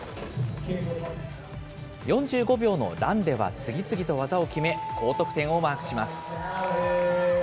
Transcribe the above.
４５秒のランでは、次々と技を決め、高得点をマークします。